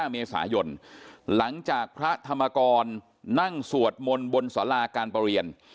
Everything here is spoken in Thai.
เมษายนหลังจากพระธรรมกรนั่งสวดมนต์บนสาราการประเรียน